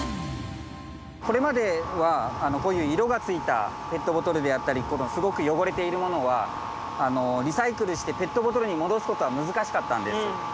これまではこういう色がついたペットボトルであったりすごく汚れているものはリサイクルしてペットボトルに戻すことは難しかったんです。